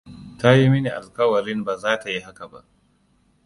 Ta yi mini alkawarin ba za ta yi haka ba.